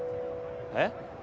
えっ？